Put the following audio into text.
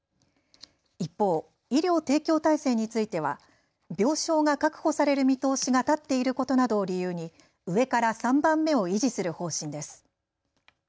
一方、医療提供体制については病床が確保される見通しが立っていることなどを理由に上から３番目を維持する方針です。